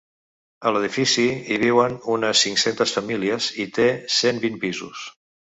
A l’edifici, hi viuen unes cinc-cents famílies i té cent vint pisos.